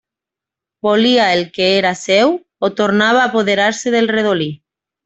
Volia el que era seu, o tornava a apoderar-se del redolí.